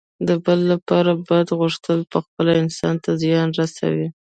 د بل لپاره بد غوښتل پخپله انسان ته زیان رسوي.